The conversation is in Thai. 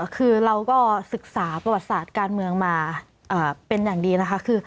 คือเราก็ศึกษาประวัติศาสตร์การเมืองมาเป็นอย่างดีนะคะคือ